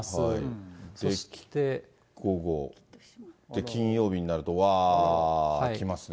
午後、金曜日になると、わー、来ますね。